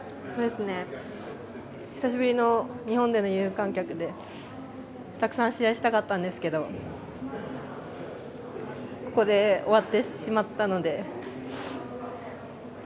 久しぶりの日本での有観客でたくさん試合をしたかったんですがここで終わってしまったので。